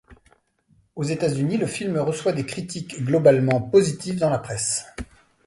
Aux États-Unis, le film reçoit des critiques globalement positives dans la presse.